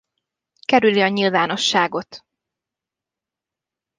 Kerüli a nyilvánosságot.